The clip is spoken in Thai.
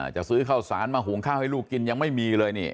จะซื้อข้าวสารมาหุงข้าวให้ลูกกินยังไม่มีเลยนี่